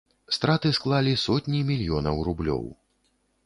Страты склалі сотні мільёнаў рублёў.